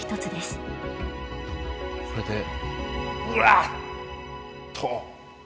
これでうりゃ！と。